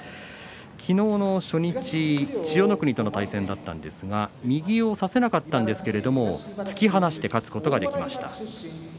昨日の初日千代の国との対戦だったんですが右を差せなかったんですけれども突き放して勝つことができました。